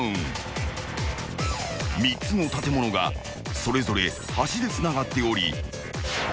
［３つの建物がそれぞれ橋でつながっており］